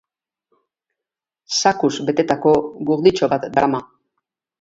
Zakuz betetako gurditxo bat darama.